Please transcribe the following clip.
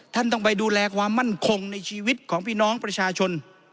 ท่านต้องไปดูแลความมั่นคงในชีวิตของพี่น้องประชาชน